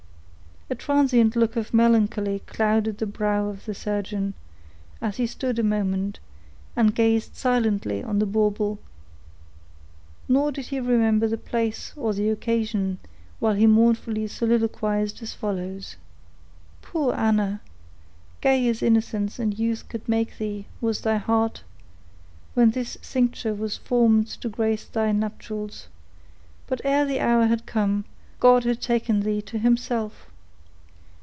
A transient look of melancholy clouded the brow of the surgeon, as he stood a moment, and gazed silently on the bauble; nor did he remember the place, or the occasion, while he mournfully soliloquized as follows:— "Poor Anna! gay as innocence and youth could make thee was thy heart, when this cincture was formed to grace thy nuptials; but ere the hour had come, God had taken thee to Himself.